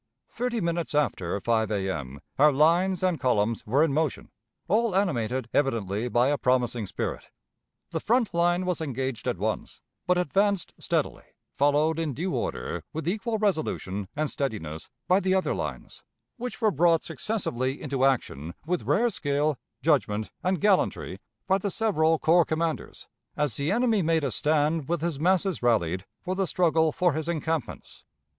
"Thirty minutes after 5 A.M., our lines and columns were in motion, all animated evidently by a promising spirit. The front line was engaged at once, but advanced steadily, followed in due order, with equal resolution and steadiness, by the other lines, which were brought successively into action with rare skill, judgment, and gallantry by the several corps commanders, as the enemy made a stand with his masses rallied for the struggle for his encampments.